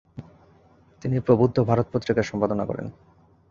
তিনি প্রবুদ্ধ ভারত পত্রিকার সম্পাদনা করেন।